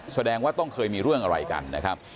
แสดงว่าต้องเคยมีเรื่องอะไรกันนะครับ